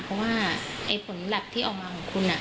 เพราะว่าไอ้ผลแลปที่ออกมาของคุณ